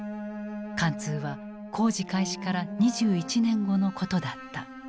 貫通は工事開始から２１年後のことだった。